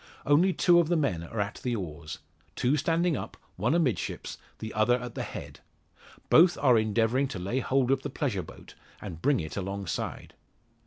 Only two of the men are at the oars; two standing up, one amidships, the other at the head. Both are endeavouring to lay hold of the pleasure boat, and bring it alongside.